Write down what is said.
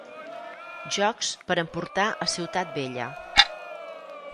Jocs per emportar a Ciutat Vella.